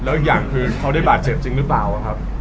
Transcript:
แล้วอีกอย่างคือเขาได้บาดเจ็บจริงหรือเปล่าครับ